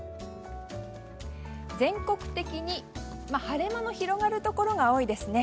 全国的に、晴れ間の広がるところが多いですね。